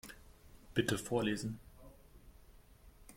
Bitte vorlesen.